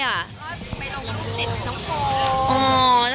ก็ไปลงตรงเน็ตน้องโฟ